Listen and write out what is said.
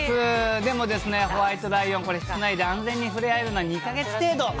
でもですね、ホワイトライオン、これ、室内で安全に触れ合えるのは２か月程度。